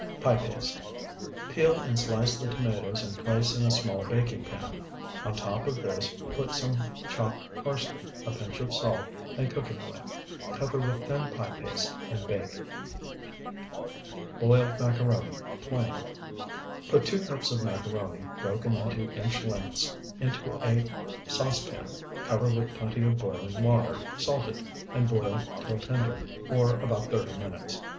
Pie paste. Peel and slice the tomatoes and place in a small baking pan. On top of this put some chopped parsley, a pinch of salt, and cooking oil. Cover with thin pie paste and bake. BOILED MACARONI (PLAIN) Put two cups of macaroni, broken into inch lengths, into a saucepan, cover with plenty of boiling water, salted, and boil till tender, or about thirty minutes.